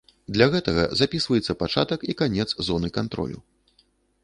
Для гэтага запісваецца пачатак і канец зоны кантролю.